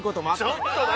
ちょっと何？